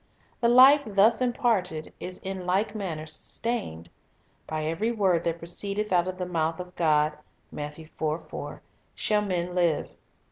The life thus imparted is in like manner sustained. "By every word that proceedeth out of the mouth of God" 4 shall man live.